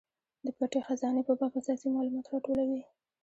د پټې خزانې په باب اساسي مالومات راټولوي.